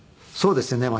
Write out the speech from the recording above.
そうですね。